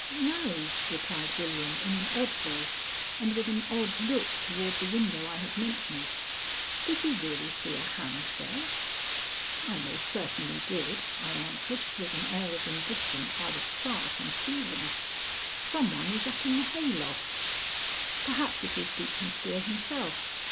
"No," replied William, in an odd voice and with an odd look toward the window I have mentioned. "Did you really see a hand there?" "I most certainly did," I answered, with an air of indifference I was far from feeling. "Some one is up in the hay loft; perhaps it is Deacon Spear himself.